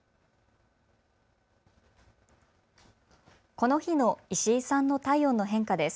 この日の石井さんの体温の変化です。